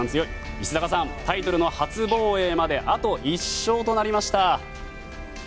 石坂さん、タイトルの初防衛まであと１勝となりました。